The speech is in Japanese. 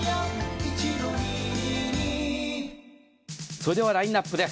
それではラインアップです。